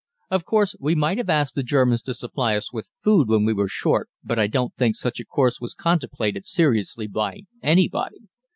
Of course we might have asked the Germans to supply us with food when we were short, but I don't think such a course was contemplated seriously by anybody.